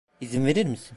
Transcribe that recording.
İzin verir misin?